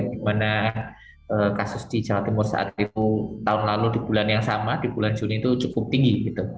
dimana kasus di jawa timur saat itu tahun lalu di bulan yang sama di bulan juni itu cukup tinggi